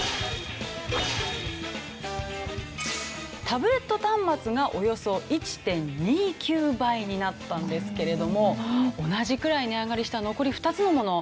タブレット端末がおよそ１．２９倍になったんですけれども同じくらい値上がりした残り２つのもの。